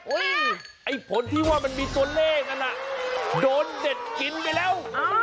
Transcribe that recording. ไอ้ผลที่ว่ามันมีตัวเลขนั้นน่ะโดนเด็ดกินไปแล้ว